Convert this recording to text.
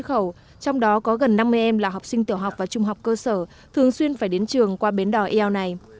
bà hoàng thị ba có gần năm mươi em là học sinh tiểu học và trung học cơ sở thường xuyên phải đến trường qua bến đòi eo này